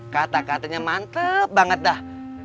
kata katanya mantep banget dah